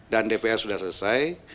dan dpr sudah selesai